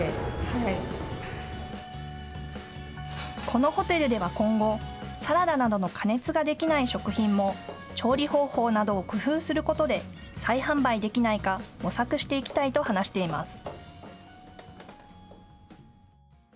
このホテルでは今後、サラダなどの加熱ができない食品も調理方法などを工夫することで再販売できないか模索していきたいと話しています。